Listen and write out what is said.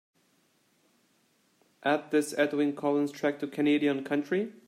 Add this edwyn collins track to Canadian Country